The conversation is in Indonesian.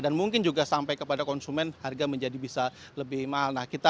dan mungkin juga sampai kepada konsumen harga menjadi bisa lebih mahal